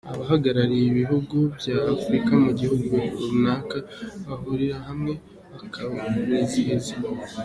Abahagarariye ibihugu bya Afurika mu gihugu runaka bahurira hamwe bakawizihiza.